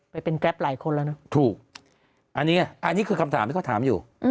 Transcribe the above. ไปเป็นแกรปหลายคนแล้วนะถูกอันนี้ไงอันนี้คือคำถามที่เขาถามอยู่